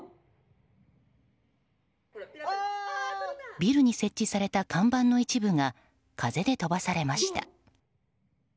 ビルに設置された看板の一部が風で飛ばされました。